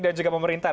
dan juga pemerintahan